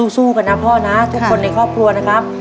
สู้กันนะพ่อนะทุกคนในครอบครัวนะครับ